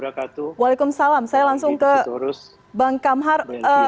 waalaikumsalam saya langsung ke bang kamhar